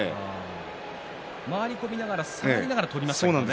回り込みながら下がりながら取りましたね。